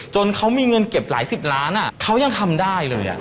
จนเขามีเงินเก็บหลายสิบล้านเขายังทำได้เลย